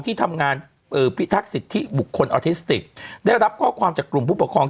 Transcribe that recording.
ที่ทำงานเอ่อพิทักษิทธิบุคคลออทิสติกได้รับข้อความจากกลุ่มผู้ปกครอง